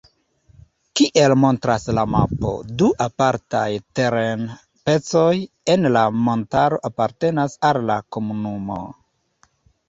Kiel montras la mapo, du apartaj teren-pecoj en la montaro apartenas al la komunumo.